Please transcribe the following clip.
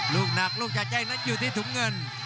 ลูกหนักลูกจัดใหญ่นั้นอยู่ที่ถุงเงิน